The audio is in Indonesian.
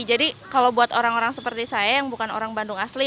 jadi kalau buat orang orang seperti saya yang bukan orang bandung asli